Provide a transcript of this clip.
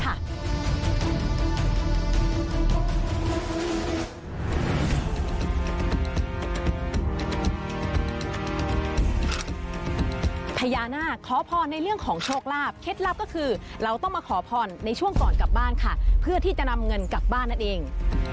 พญานาคขอพรในเรื่องของโชคลาภเคล็ดลับก็คือเราต้องมาขอพรในช่วงก่อนกลับบ้านค่ะเพื่อที่จะนำเงินกลับบ้านนั่นเอง